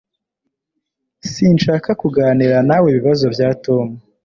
Sinshaka kuganira nawe ibibazo bya Tom